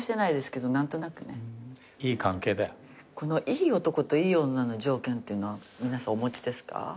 いい男といい女の条件っていうのは皆さんお持ちですか？